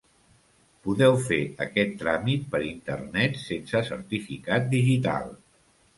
Podeu fer aquest tràmit per internet sense certificat digital.